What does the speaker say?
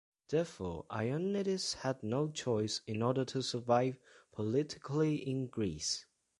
Therefore, Ioannidis had no choice in order to survive politically in Greece.